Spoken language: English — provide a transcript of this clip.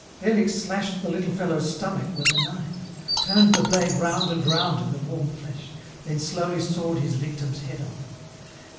Felix slashed the little fellow's stomach with a knife, turned the blade round and round in the warm flesh, then slowly sawed his victim's head off.